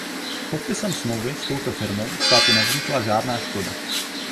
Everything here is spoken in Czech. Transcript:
Podpisem smlouvy s touto firmou státu nevznikla žádná škoda.